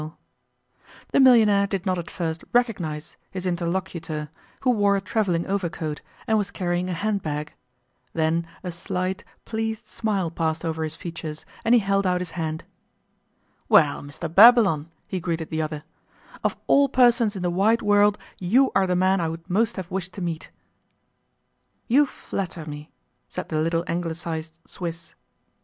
The millionaire did not at first recognize his interlocutor, who wore a travelling overcoat, and was carrying a handbag. Then a slight, pleased smile passed over his features, and he held out his hand. 'Well, Mr Babylon,' he greeted the other, 'of all persons in the wide world you are the man I would most have wished to meet.' 'You flatter me,' said the little Anglicized Swiss.